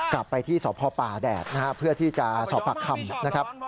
กลับไปที่สพป่าแดดเพื่อที่จะสอบปากคำ